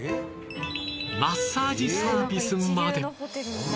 マッサージサービスまで！